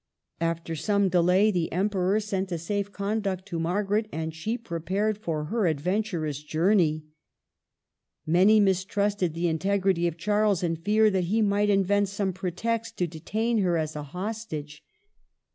After some delay the Emperor sent a safe conduct to Margaret, and she prepared for her adventurous journey. Many mistrusted the in tegrity of Charles, and feared that he might invent some pretext to detain her as a hostage.